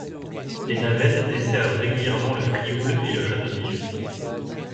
Des navettes desservent régulièrement le Frioul et le Château d'If.